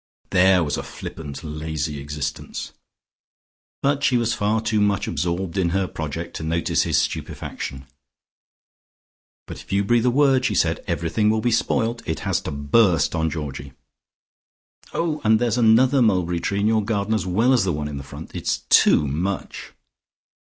There was a flippant, lazy existence. But she was far too much absorbed in her project to notice his stupefaction. "But if you breathe a word," she said, "everything will be spoilt. It has to burst on Georgie. Oh, and there's another mulberry tree in your garden as well as the one in front. It's too much."